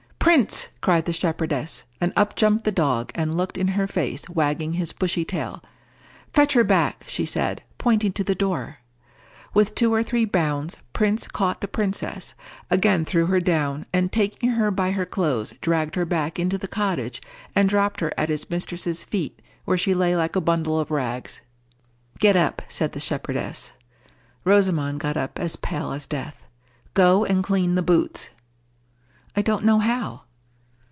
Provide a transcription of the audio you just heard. "Prince!" cried the shepherdess, and up jumped the dog, and looked in her face, wagging his bushy tail. "Fetch her back," she said, pointing to the door. With two or three bounds Prince caught the princess, again threw her down, and taking her by her clothes dragged her back into the cottage, and dropped her at his mistress' feet, where she lay like a bundle of rags. "Get up," said the shepherdess. Rosamond got up as pale as death. "Go and clean the boots." "I don't know how."